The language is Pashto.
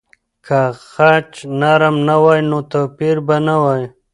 که خج نرم نه وای، نو توپیر به نه وای.